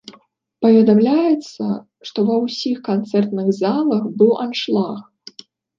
Паведамляецца, што ва ўсіх канцэртных залах быў аншлаг.